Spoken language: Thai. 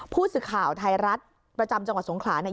ผู้สื่อข่าวไทยรัฐประจำจังหวัดสงขลาเนี่ย